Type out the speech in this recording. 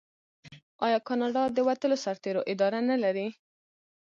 آیا کاناډا د وتلو سرتیرو اداره نلري؟